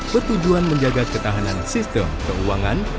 bertujuan menjaga ketahanan sistem keuangan